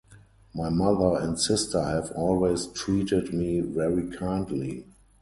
My mother and sister have always treated me very kindly.